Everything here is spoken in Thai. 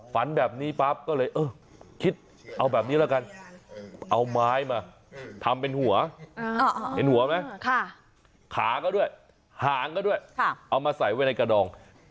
ฝันแบบนี้ปั๊บก็เลยเออคิดเอาแบบนี้แล้วกัน